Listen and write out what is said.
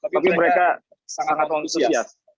tapi mereka sangat khusus